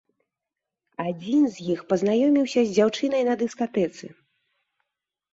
Адзін з іх пазнаёміўся з дзяўчынай на дыскатэцы.